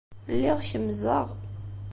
Lliɣ kemmzeɣ.